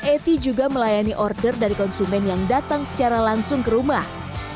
eti juga melayani order dari konsumen yang datang secara langsung ke rumah